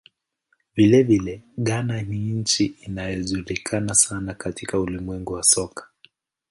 Vilevile, Ghana ni nchi inayojulikana sana katika ulimwengu wa soka.